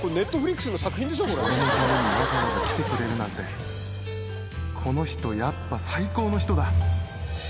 俺のためにわざわざ来てくれるなんて、この人、やっぱ最高の人だ。